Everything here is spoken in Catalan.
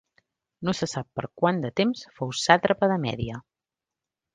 No se sap per quant de temps fou sàtrapa de Mèdia.